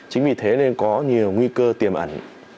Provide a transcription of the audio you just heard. chính vì thế nên có nhiều nguy cơ tiềm ẩn